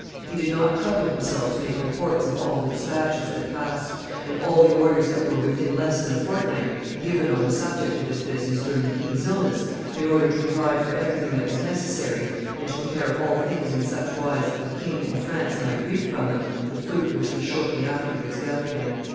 He did not trouble himself to make reports of all the despatches that passed, and all the orders that were within less than a fortnight given on the subject of this business during the king's illness, in order to provide for everything that was necessary, and to prepare all things in such wise that the king and France might reap from them the fruit which was shortly afterwards gathered in."